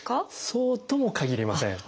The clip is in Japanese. そうともかぎりません。